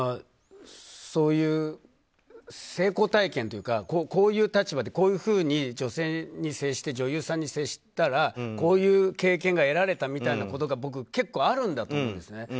そういう成功体験というかこういう立場でこういうふうに女性に女優さんに接したらこういう経験が得られたみたいなことが僕、結構あるんだと思うんですね。